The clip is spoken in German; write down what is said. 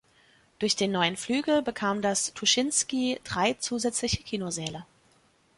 Durch den neuen Flügel bekam das Tuschinski drei zusätzliche Kinosäle.